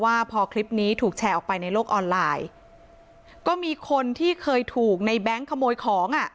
ว่าพอคลิปนี้ถูกแชร์ออกไปในโลกออนไลน์ก็มีคนที่เคยถูกในแบงค์ขโมยของอ่ะ